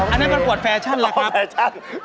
อันนั้นปรากวดแฟชั่นแหละครับอ๋อแฟชั่น